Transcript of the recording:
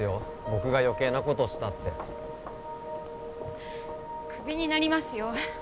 僕が余計なことをしたってクビになりますよ